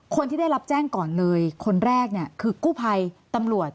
คนที่ได้รับแจ้งก่อนเลยคนแรกเนี่ยคือกู้ภัยตำรวจ